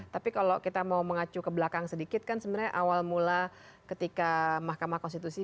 tapi kalau kita mau mengacu ke belakang sedikit kan sebenarnya awal mula ketika mahkamah konstitusi